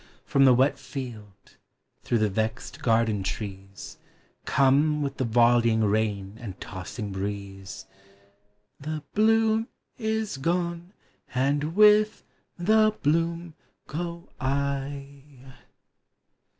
From the wet field, through the vexl garden trees, Come with the volleying rain and tossing breeze : The bloom is gone, and with the bloom go I !